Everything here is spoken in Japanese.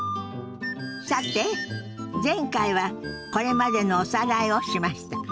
さて前回はこれまでのおさらいをしました。